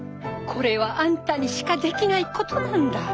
これはあんたにしかできない事なんだ。